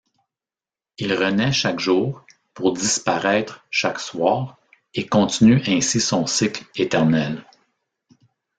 Il renaît chaque jour pour disparaître chaque soir et continue ainsi son cycle éternel.